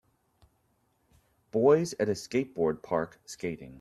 Boys at a skateboard park skating.